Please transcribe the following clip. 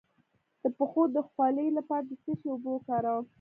د پښو د خولې لپاره د څه شي اوبه وکاروم؟